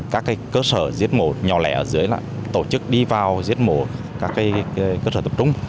các cái cơ sở giết mổ nhỏ lẻ ở dưới là tổ chức đi vào giết mổ các cái cơ sở tập trung